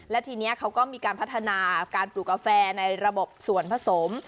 และทีนี้เขาก็มีการพัฒนาการปลูกกาแฟในระบบส่วนผสม